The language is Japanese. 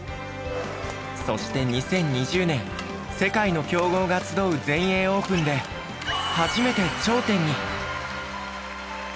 そして２０２０年世界の強豪が集う全英オープンで初めて頂点に。